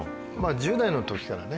１０代の時からね